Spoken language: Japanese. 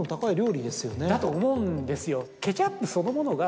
だと思うんですよ。